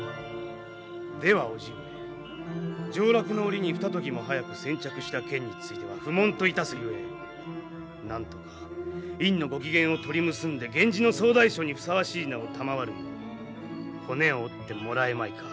では叔父上上洛の折にふた時も早く先着した件については不問といたすゆえなんとか院のご機嫌を取り結んで源氏の総大将にふさわしい名を賜るよう骨を折ってもらえまいか。